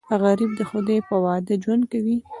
غریب د خدای په وعده ژوند کوي